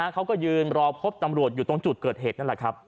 เขาก็ยืนรอพบตำรวจอยู่ตรงจุดเกิดเหตุนั่นแหละครับ